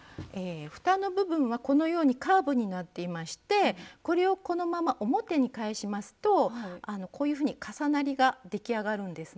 ふたの部分はこのようにカーブになっていましてこれをこのまま表に返しますとこういうふうに重なりが出来上がるんですね。